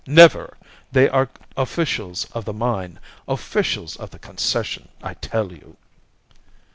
Never! They are officials of the mine officials of the Concession I tell you."